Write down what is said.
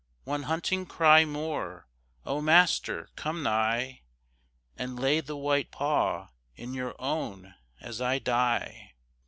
One hunting cry more! Oh, master, come nigh, And lay the white paw in your own as I die!